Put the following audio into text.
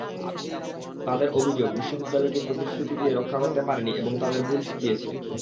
তাঁদের অভিযোগ, বিশ্ববিদ্যালয়টি প্রতিশ্রুতি রক্ষা করতে পারেনি এবং তাঁদের ভুল শিখিয়েছে।